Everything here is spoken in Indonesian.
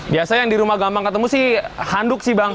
biasa yang di rumah gampang ketemu sih handuk sih bang